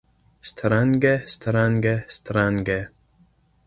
Strange, strange, strange.